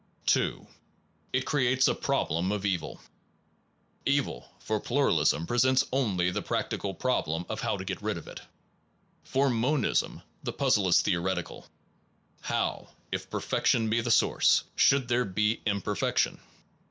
2. It creates a problem of evil. Evil, for plu ralism, presents only the practical problem of how to get rid of it. For monism the puzzle is theoretical: How if Perfection be the source, should there be Imperfection?